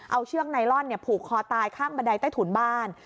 เอาเชือกไนลอนผูกคอตายข้างบันไดใต้ถุนบ้าน